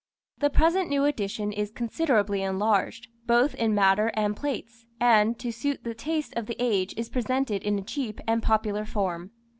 The present new edition is considerably enlarged, both in matter and plates, and, to suit the taste of the age is presented in a cheap and popular form.